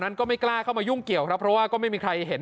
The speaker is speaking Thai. ก็ไม่กล้าเข้ามายุ่งเกี่ยวครับเพราะว่าก็ไม่มีใครเห็น